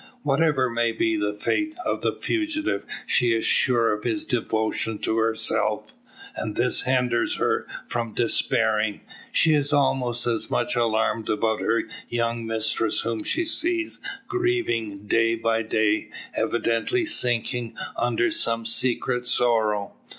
Whatever may be the fate of the fugitive, she is sure of his devotion to herself; and this hinders her from despairing. She is almost as much alarmed about her young mistress whom she sees grieving, day by day evidently sinking under some secret sorrow.